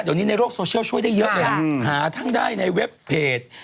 เดี๋ยวนี้ในโลกโซเชียลช่วยได้เยอะเลยหาทั้งได้ในเว็บเพจ